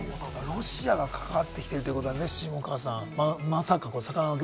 ロシアが変わってきているということなんですね、下川さん。